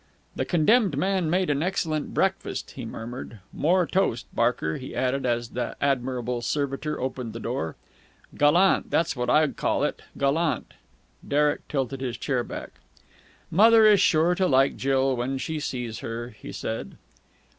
"The condemned man made an excellent breakfast," he murmured. "More toast, Barker," he added, as that admirable servitor opened the door. "Gallant! That's what I call it. Gallant!" Derek tilted his chair back. "Mother is sure to like Jill when she sees her," he said.